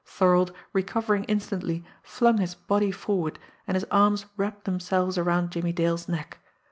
Thorold, recovering instantly, flung his body forward, and his arms wrapped themselves around Jimmie Dale's neck.